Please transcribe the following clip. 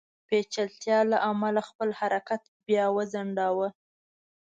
پېچلتیا له امله خپل حرکت بیا وځنډاوه.